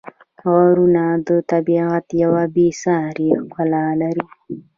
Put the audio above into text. غرونه د طبیعت یوه بېساري ښکلا لري.